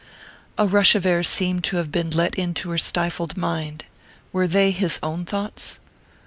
_ A rush of air seemed to have been let into her stifled mind. Were they his own thoughts?